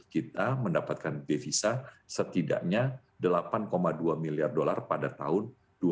kita mendapatkan devisa setidaknya delapan dua miliar dollar pada tahun dua ribu sembilan belas